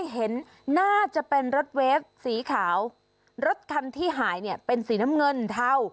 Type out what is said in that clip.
เห็นน่าจะเป็นรถเวฟสีขาวรถคันที่หายเนี่ยเป็นสีน้ำเงินเทา